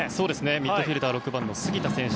ミッドフィールダー６番の杉田選手